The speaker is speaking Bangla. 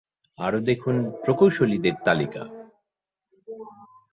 আরও দেখুন প্রকৌশলীদের তালিকা।